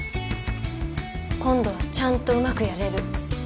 今度はちゃんとうまくやれる。